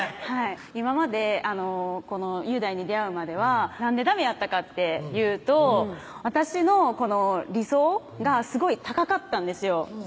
今までこの雄大に出会うまではなんでダメやったかっていうと私の理想がすごい高かったんですよ